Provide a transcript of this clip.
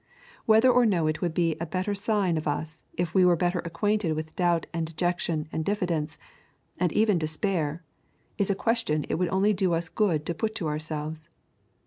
Whether or no it would be a better sign of us if we were better acquainted with doubt and dejection and diffidence, and even despair, is a question it would only do us good to put to ourselves.